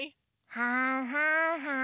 はんはんはん。